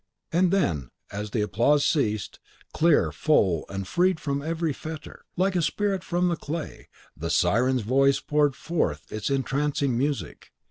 And then as the applause ceased, clear, full, and freed from every fetter, like a spirit from the clay, the Siren's voice poured forth its entrancing music.